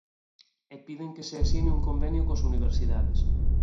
E piden que se asine un convenio coas universidades.